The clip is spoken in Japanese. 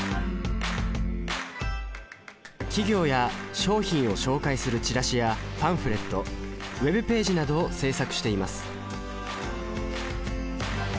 企業や商品を紹介するチラシやパンフレットＷｅｂページなどを制作しています